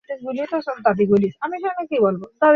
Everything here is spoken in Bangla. তার মাতা তার সন্তানদের লালনপালন করতে সমর্থ ছিলেন না।